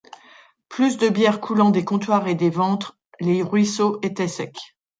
Plus de bière coulant des comptoirs et des ventres, les ruisseaux étaient secs.